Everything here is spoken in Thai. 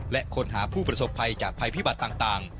และค้นหาผู้ประสบภัยจากภัยพิบัติต่าง